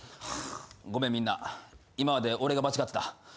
ごめんみんな今まで俺が間違ってた。